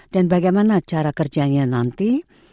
dan bagaimana cara kerjanya nanti